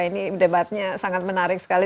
ini debatnya sangat menarik sekali